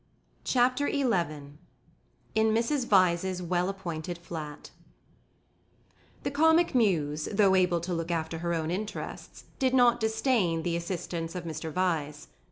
Chapter XI In Mrs. Vyse's Well Appointed Flat The Comic Muse, though able to look after her own interests, did not disdain the assistance of Mr. Vyse.